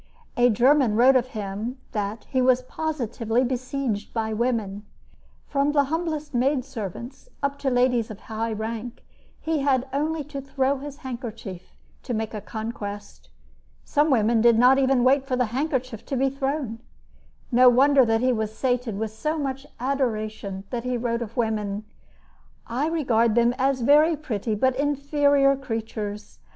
A German wrote of him that "he was positively besieged by women." From the humblest maid servants up to ladies of high rank, he had only to throw his handkerchief to make a conquest. Some women did not even wait for the handkerchief to be thrown. No wonder that he was sated with so much adoration and that he wrote of women: I regard them as very pretty but inferior creatures.